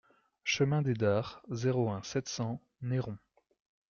Chemin des Dares, zéro un, sept cents Neyron